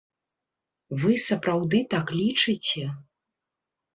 Вы сапраўды так лічыце?